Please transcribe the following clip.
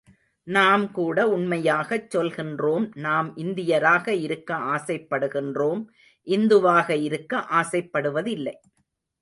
நாம் கூட உண்மையாகச் சொல்கின்றோம் நாம் இந்தியராக இருக்க ஆசைப்படுகின்றோம் இந்து வாக இருக்க ஆசைப்படுவதில்லை.